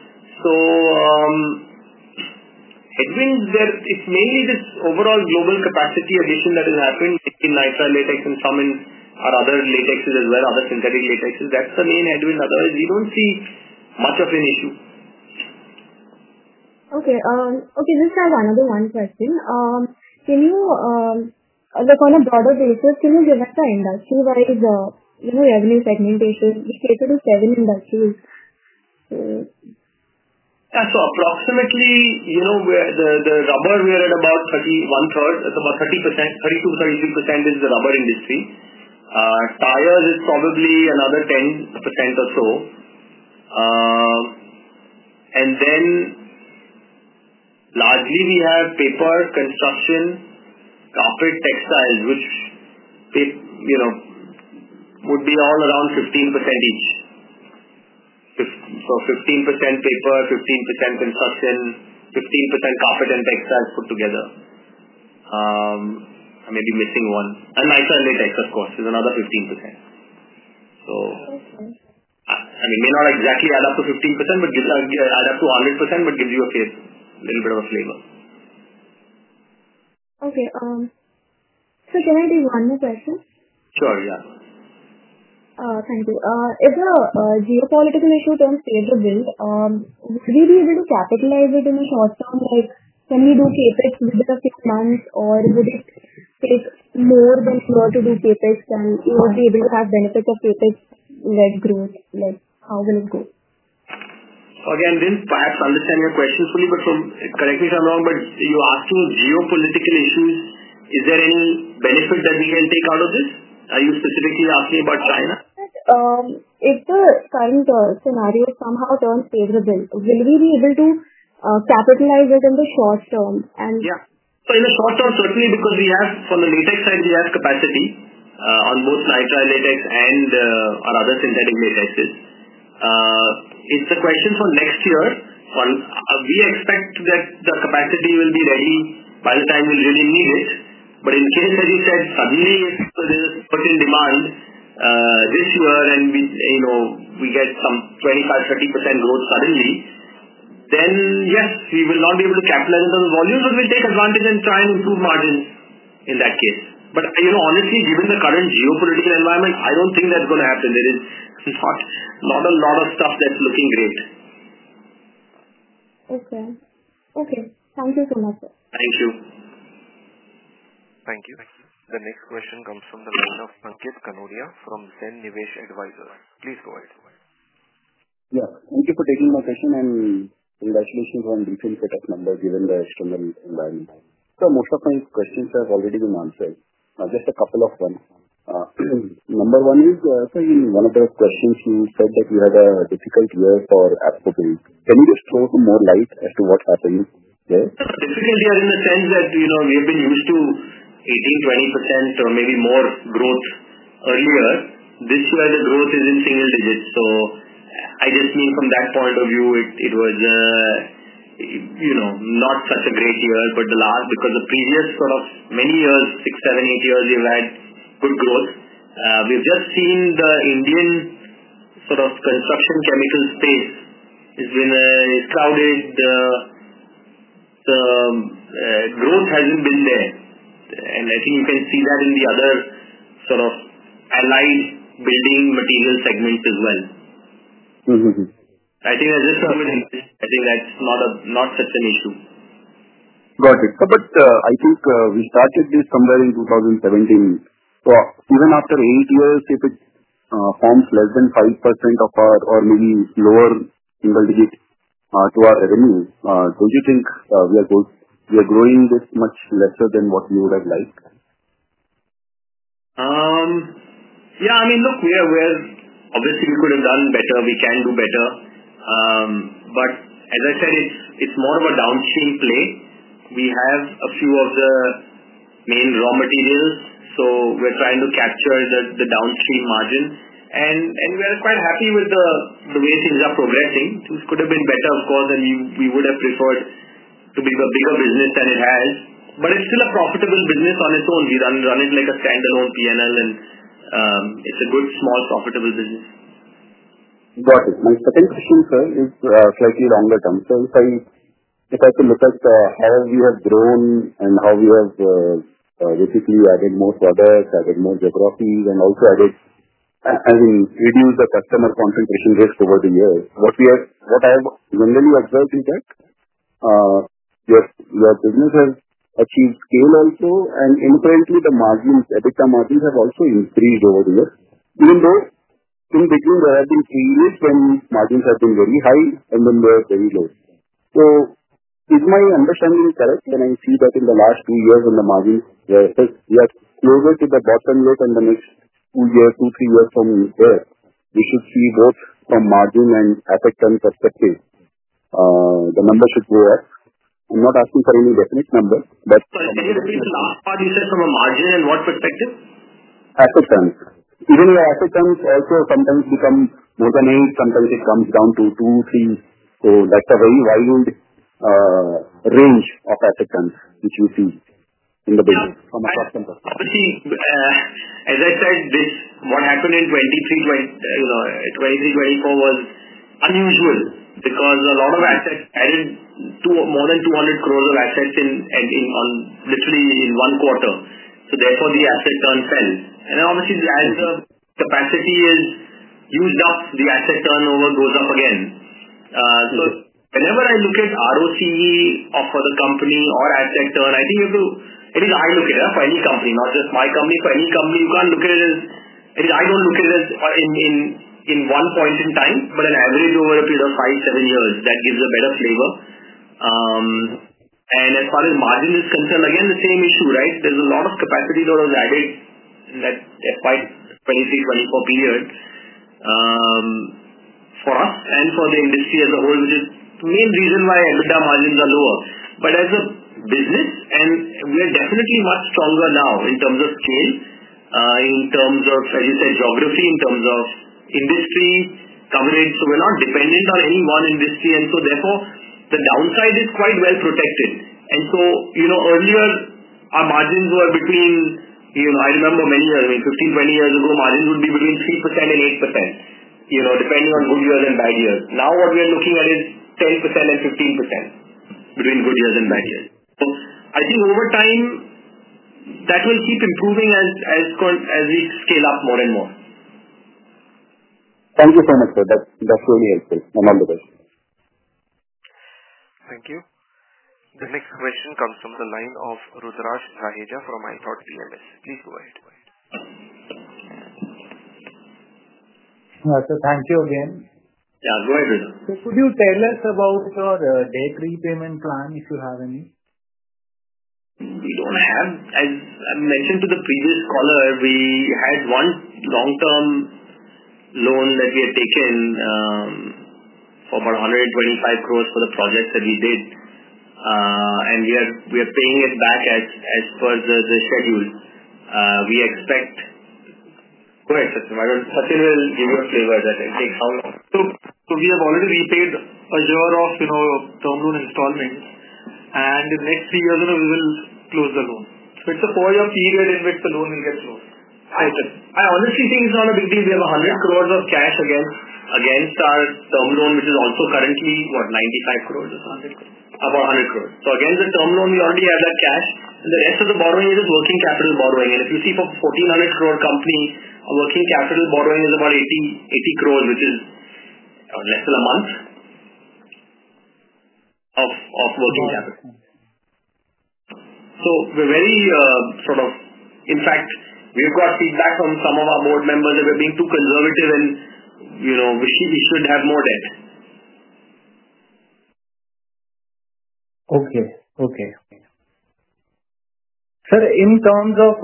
Headwinds, it's mainly this overall global capacity addition that has happened in Nitrile latex and some in other latexes as well, other synthetic latexes. That's the main headwind. Otherwise, we don't see much of an issue. Okay. Okay. This is another one question. On a broader basis, can you give us the industry-wise revenue segmentation? We cater to seven industries. Yeah. So approximately, the rubber, we are at about 1/3. It's about 30%. 32-33% is the rubber industry. Tires is probably another 10% or so. And then largely, we have paper, construction, carpet, textiles, which would be all around 15% each. 15% paper, 15% construction, 15% carpet and textiles put together. I may be missing one. And Nitrile latex, of course, is another 15%. I mean, may not exactly add up to 100%, but gives you a little bit of a flavor. Okay. Can I do one more question? Sure. Yeah. Thank you. If a geopolitical issue turns favorable, would we be able to capitalize it in the short term? Can we do CapEx within a few months, or would it take more than a year to do CapEx, and you would be able to have benefits of CapEx-led growth? How will it go? I did not perhaps understand your question fully, but correct me if I am wrong, you are asking geopolitical issues. Is there any benefit that we can take out of this? Are you specifically asking about China? If the current scenario somehow turns favorable, will we be able to capitalize it in the short term? Yeah. In the short term, certainly, because we have, for the latex side, we have capacity on both Nitrile latex and our other synthetic latexes. It's the question for next year. We expect that the capacity will be ready by the time we really need it. In case, as you said, suddenly, if there is a certain demand this year and we get some 25%-30% growth suddenly, then yes, we will not be able to capitalize on the volumes, but we'll take advantage and try and improve margins in that case. Honestly, given the current geopolitical environment, I don't think that's going to happen. There is not a lot of stuff that's looking great. Okay. Okay. Thank you so much, sir. Thank you. Thank you. The next question comes from the line of Ankit Kanodia from Zen Nivesh Advisors. Please go ahead. Yes. Thank you for taking my question and congratulations on refilling for that number given the external environment. Most of my questions have already been answered. Just a couple of ones. Number one is, in one of the questions, you said that you had a difficult year for ApcoBuild. Can you just throw some more light as to what happened there? Difficult year in the sense that we have been used to 18%-20% or maybe more growth earlier. This year, the growth is in single digits. I just mean from that point of view, it was not such a great year. Because the previous sort of many years, six, seven, eight years, we've had good growth. We've just seen the Indian sort of construction chemical space has been crowded. The growth hasn't been there. I think you can see that in the other sort of allied building material segments as well. I just thought I think that's not such an issue. Got it. I think we started this somewhere in 2017. Even after eight years, if it forms less than 5% of our or maybe lower single digit to our revenue, do not you think we are growing this much lesser than what we would have liked? Yeah. I mean, look, we are obviously, we could have done better. We can do better. As I said, it is more of a downstream play. We have a few of the main raw materials. We are trying to capture the downstream margin. We are quite happy with the way things are progressing. This could have been better, of course, and we would have preferred to be a bigger business than it has. It is still a profitable business on its own. We run it like a standalone P&L, and it is a good, small, profitable business. Got it. My second question, sir, is slightly longer term. If I could look at how we have grown and how we have basically added more products, added more geographies, and also added, I mean, reduced the customer concentration risk over the years, what I have generally observed is that your business has achieved scale also, and inherently, the margins, ethical margins have also increased over the years. Even though in between, there have been periods when margins have been very high and then they are very low. Is my understanding correct when I see that in the last two years and the margins? We are closer to the bottom rate in the next two years, two, three years from here. We should see both from margin and asset term perspective. The number should go up. I'm not asking for any definite number, but. Can you repeat the last part you said from a margin and what perspective? Asset terms. Even if asset terms also sometimes become more than 8, sometimes it comes down to 2, 3. That is a very wide range of asset terms which we see in the business from a customer perspective. Obviously, as I said, what happened in 2023, 2024 was unusual because a lot of assets added more than 200 crore of assets literally in one quarter. Therefore, the asset turn fell. Obviously, as the capacity is used up, the asset turnover goes up again. Whenever I look at ROCE of the company or asset turn, I think you have to, at least I look at it for any company, not just my company. For any company, you cannot look at it as, at least I do not look at it as in one point in time, but an average over a period of five to seven years. That gives a better flavor. As far as margin is concerned, again, the same issue, right? There's a lot of capacity that was added in that FY 2023-2024 period for us and for the industry as a whole, which is the main reason why EBITDA margins are lower. But as a business, we are definitely much stronger now in terms of scale, in terms of, as you said, geography, in terms of industry coverage. We're not dependent on any one industry. Therefore, the downside is quite well protected. Earlier, our margins were between, I remember many years, I mean, 15-20 years ago, margins would be between 3% and 8%, depending on good years and bad years. Now what we are looking at is 10%-15% between good years and bad years. I think over time, that will keep improving as we scale up more and more. Thank you so much, sir. That's really helpful. Another question. Thank you. The next question comes from the line of Rudraksh Raheja from ithoughtpms. Please go ahead. Thank you again. Yeah. Go ahead, Rudraksh. Could you tell us about your day-to-day payment plan, if you have any? We do not have. As I mentioned to the previous caller, we had one long-term loan that we had taken for about 125 crore for the projects that we did. We are paying it back as per the schedule. We expect. Go ahead, Sachin. Sachin will give you a flavor of that, I think. We have already repaid a year of term loan installments. In the next three years, we will close the loan. It is a four-year period in which the loan will get closed. I honestly think it is not a big deal. We have 100 crore of cash against our term loan, which is also currently, what, 95 crore or something? About 100 crore. Against the term loan, we already have that cash. The rest of the borrowing is just working capital borrowing. If you see, for a 1,400 crore company, working capital borrowing is about 80 crore, which is less than a month of working capital. We are very sort of, in fact, we have got feedback from some of our board members that we are being too conservative and we should have more debt. Okay. Okay. Sir, in terms of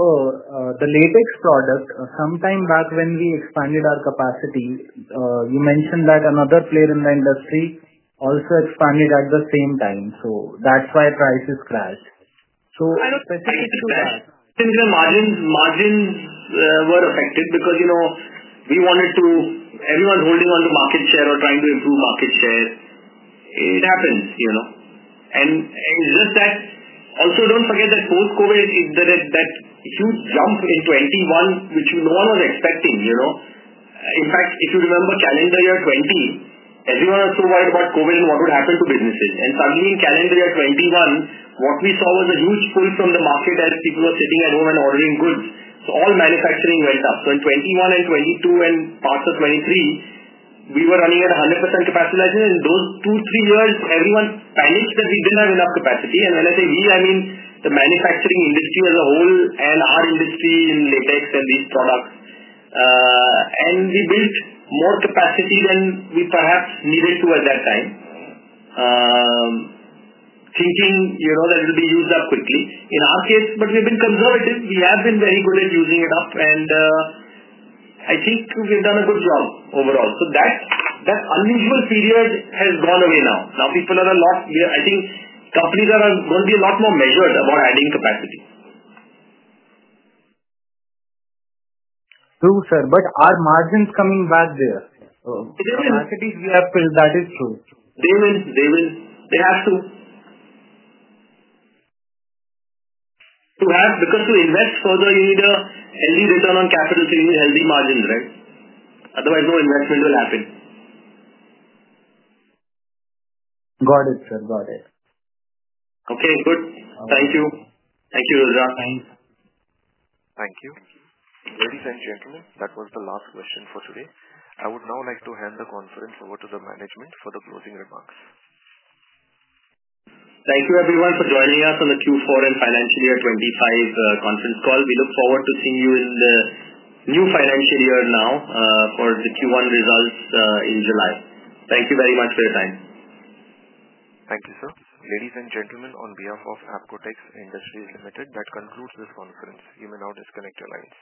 the latex product, sometime back when we expanded our capacity, you mentioned that another player in the industry also expanded at the same time. That's why prices crashed. Specific to that. I don't think the margins were affected because we wanted to, everyone's holding on to market share or trying to improve market share. It happens. It's just that also don't forget that post-COVID, that huge jump in 2021, which no one was expecting. In fact, if you remember calendar year 2020, everyone was so worried about COVID and what would happen to businesses. Suddenly in calendar year 2021, what we saw was a huge pull from the market as people were sitting at home and ordering goods. All manufacturing went up. In 2021 and 2022 and parts of 2023, we were running at 100% capacity license. Those two, three years, everyone panicked that we didn't have enough capacity. When I say we, I mean the manufacturing industry as a whole and our industry in latex and these products. We built more capacity than we perhaps needed to at that time, thinking that it will be used up quickly. In our case, we have been conservative. We have been very good at using it up. I think we have done a good job overall. That unusual period has gone away now. Now people are a lot, I think companies are going to be a lot more measured about adding capacity. True, sir. Are margins coming back there? They will. Capacities we have built, that is true. They will. They have to. Because to invest further, you need a healthy return on capital, so you need healthy margins, right? Otherwise, no investment will happen. Got it, sir. Got it. Okay. Good. Thank you. Thank you, Rudraj. Thanks. Thank you. Ladies and gentlemen, that was the last question for today. I would now like to hand the conference over to the management for the closing remarks. Thank you, everyone, for joining us on the Q4 and financial year 2025 conference call. We look forward to seeing you in the new financial year now for the Q1 results in July. Thank you very much for your time. Thank you, sir. Ladies and gentlemen, on behalf of Apcotex Industries Limited, that concludes this conference. You may now disconnect your lines.